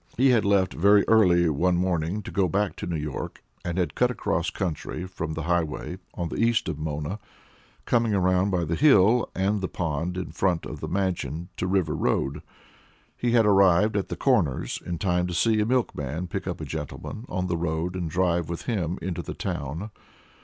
He had left very early one morning to go back to New York and had cut across country from the Highway on the east of Mona, coming around by the hill and the pond, in front of the Mansion, to River Road. He had arrived at the Corners in time to see a milkman pick up a gentleman on the road and drive with him into the town.